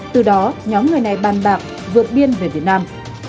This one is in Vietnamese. từ đó nhóm người này bàn bạc vượt biên về việt nam